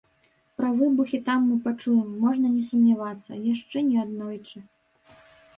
Пра выбухі там мы пачуем, можна не сумнявацца, яшчэ не аднойчы.